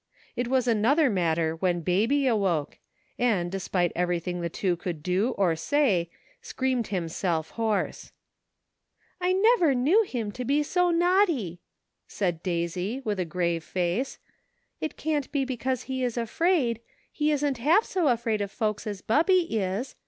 It was another matter when Baby awoke, and, despite everything the two could do or say, screamed himself hoarse. " I never knew him to be so naughty," said 110 NIGHT WORK. Daisy, with a grave fgipe. " It can't be because he is afraid ; he isn't half so afraid of folks as Bubby is.